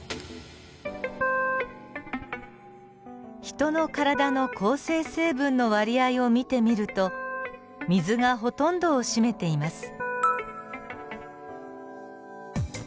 ヒトの体の構成成分の割合を見てみると水がほとんどを占めています。